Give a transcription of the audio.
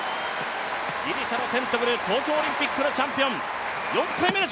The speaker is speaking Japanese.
ギリシャのテントグル、東京オリンピックのチャンピオン。